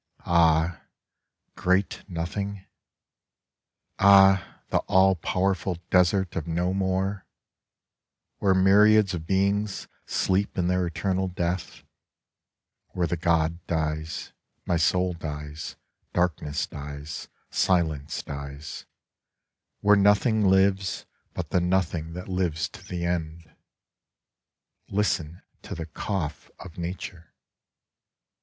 Ah, great Nothing ?• Ah, the all powerful Desert of No More !— ^where myriads of beings sleep in their eternal death ; where the god dies, my soul dies, darkness dies, silence dies ; where nothing lives, but the Nothing that lives to the End. Listen to the cough of Nature